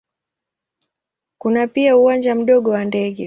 Kuna pia uwanja mdogo wa ndege.